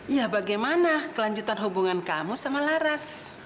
ya bagaimana kelanjutan hubungan kamu sama laras